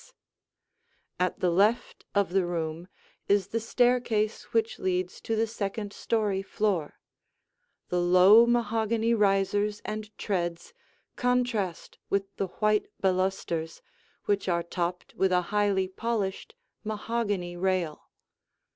[Illustration: The Alcove in the Living Room] At the left of the room is the staircase which leads to the second story floor. The low mahogany risers and treads contrast with the white balusters which are topped with a highly polished mahogany rail.